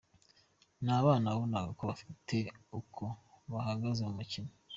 Ni abana wabonaga bafite uko bahagaze mu mukino.